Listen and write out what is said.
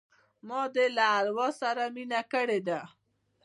ما دي له اروا سره مینه کړې ده